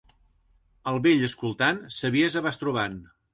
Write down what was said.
Al vell escoltant, saviesa vas trobant.